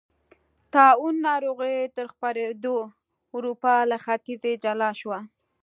طاعون ناروغۍ تر خپرېدو اروپا له ختیځې جلا شوه.